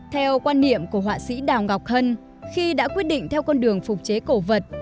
theo quan niệm của họa sĩ đào ngọc hân khi đã quyết định theo con đường phục chế cổ vật